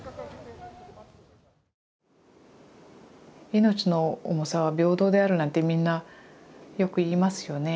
命の重さは平等であるなんてみんなよく言いますよね。